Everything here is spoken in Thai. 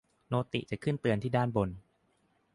โนติจะขึ้นเตือนที่ด้านบน